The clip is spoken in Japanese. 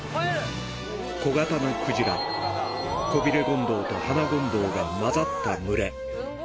小型なクジラ、コビレゴンドウとハナゴンドウが交ざった群れ。